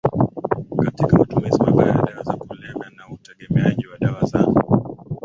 katika matumizi mabaya ya dawa za kulevya na utegemeaji wa dawa za